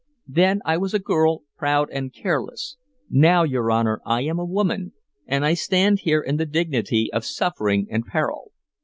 Then I was a girl, proud and careless; now, your Honor, I am a woman, and I stand here in the dignity of suffering and peril.